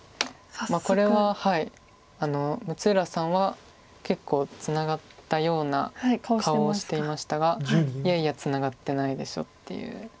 これは六浦さんは結構ツナがったような顔をしていましたが「いやいやツナがってないでしょ」っていう。